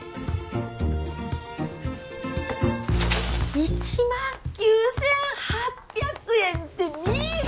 １万９，８００円って美帆